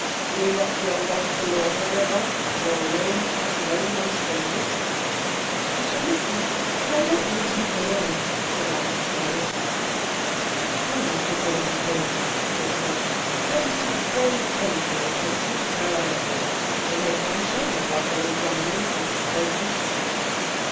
"Will you not feel rather forlorn when they are gone, and you are quite alone among strangers?" "I shall miss them, but I don't mean to be forlorn," said Anna, smiling. "The courage of the little thing!" thought Lohm. "Ready to brave anything in pursuit of her ideals. It makes one ashamed of one's own grumblings and discouragements."